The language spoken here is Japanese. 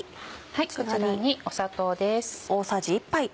こちらに砂糖です。